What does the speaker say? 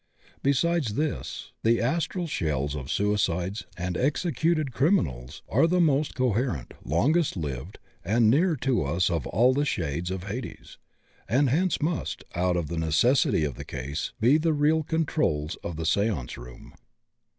Besides this, the astral shells of suicides and executed criminals are tiie most coherent, longest lived, and nearest to us of all the shades of hades, and hence must, out of the necessity of the case, be the real "controls" of the seance room.